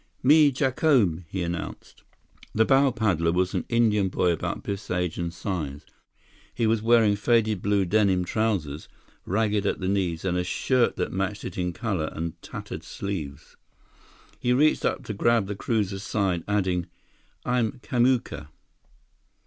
"Me Jacome," he announced. The bow paddler was an Indian boy about Biff's age and size. He was wearing faded blue denim trousers, ragged at the knees, and a shirt that matched it in color and tattered sleeves. He reached up to grab the cruiser's side, adding, "I'm Kamuka."